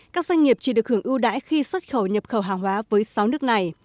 các doanh nghiệp chỉ được hưởng ưu đãi khi xuất khẩu nhập khẩu hàng hóa với sáu nước này